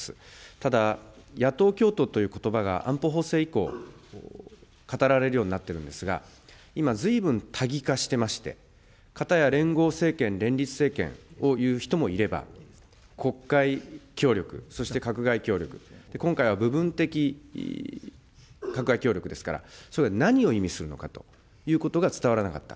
ただ野党共闘ということばが安保法制以降、語られるようになっているんですが、今、ずいぶん多義化していまして、片や連合政権、連立政権をいう人もいれば、国会協力、そして閣外協力、今回は部分的閣外協力ですから、それが何を意味するのかということが伝わらなかった。